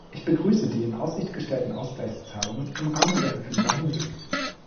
Ich begrüße die in Aussicht gestellten Ausgleichszahlungen im Rahmen der verfügbaren Mittel.